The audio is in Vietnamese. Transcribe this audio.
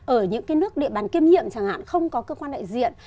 ở những cái nước địa bàn kiêm nhiệm chẳng hạn không có cơ quan đại diện